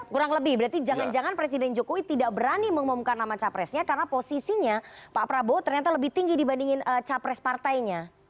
kurang lebih berarti jangan jangan presiden jokowi tidak berani mengumumkan nama capresnya karena posisinya pak prabowo ternyata lebih tinggi dibandingin capres partainya